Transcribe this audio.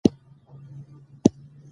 چې دا ټول د ولس مال دى نو